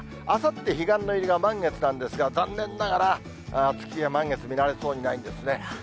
あさって、彼岸の入りが満月なんですが、残念ながら、次は満月、見られそうにないんですね。